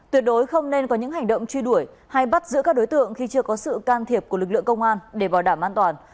tuyệt đối không nên có những hành động truy đuổi hay bắt giữ các đối tượng khi chưa có sự can thiệp của lực lượng công an để bảo đảm an toàn